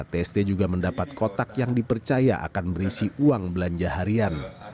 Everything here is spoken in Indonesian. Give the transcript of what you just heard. tst juga mendapat kotak yang dipercaya akan berisi uang belanja harian